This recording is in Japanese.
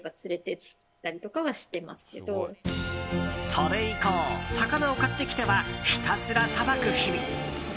それ以降、魚を買ってきてはひたすらさばく日々。